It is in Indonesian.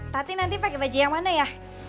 tapi nanti pakai baju yang mana ya